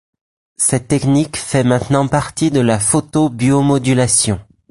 Cette technique fait maintenant partie de la photobiomodulation.